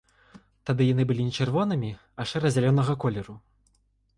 Тады яны былі не чырвонымі, а шэра-зялёнага колеру.